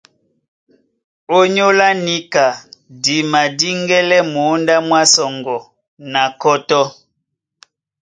Ónyólá níka di madíŋgɛ́lɛ́ mǒndá mwá sɔŋgɔ na kɔ́tɔ́.